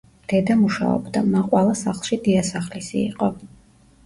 დედა მუშაობდა, მაყვალა სახლში დიასახლისი იყო.